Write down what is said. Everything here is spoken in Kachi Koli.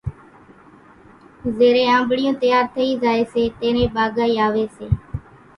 زيرين آنٻڙِيون تيار ٿئِي زائيَ سي تيرين ٻاگھائِي آويَ سي۔